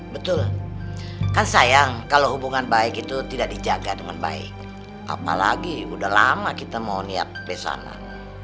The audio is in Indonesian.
betul kan sayang kalau hubungan baik itu tidak dijaga dengan baik apalagi udah lama kita mau niat di sana